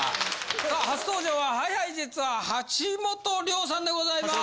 さあ初登場はＨｉＨｉＪｅｔｓは橋本涼さんでございます。